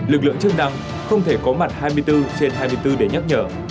lực lượng chương trăng không thể có mặt hai mươi bốn trên hai mươi bốn để nhắc nhở